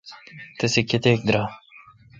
تیس کتیک درائ،؟